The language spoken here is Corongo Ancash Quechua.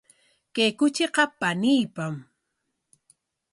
Kay kuchiqa paniipam.